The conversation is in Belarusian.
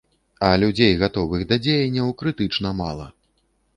А людзей, гатовых да дзеянняў, крытычна мала.